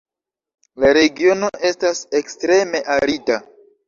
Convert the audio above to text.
La regiono estas ekstreme arida.